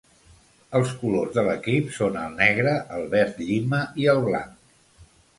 Els colors de l'equip són el negre, el verd llima i el blanc.